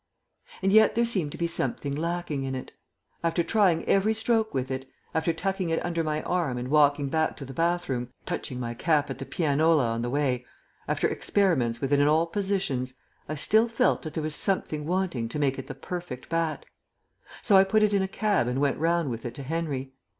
And yet there seemed to be something lacking in it. After trying every stroke with it; after tucking it under my arm and walking back to the bathroom, touching my cap at the pianola on the way; after experiments with it in all positions, I still felt that there was something wanting to make it the perfect bat. So I put it in a cab and went round with it to Henry.